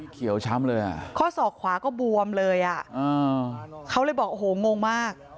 เข้าสอกขวาก็บวมเลยอ่ะเขาเลยบอกโอ้โหงมาก